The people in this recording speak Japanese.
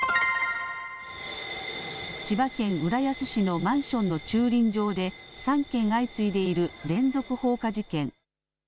千葉県浦安市のマンションの駐輪場で３件相次いでいる連続放火事件。